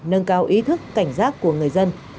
nâng cao ý thức cảnh giác của người dân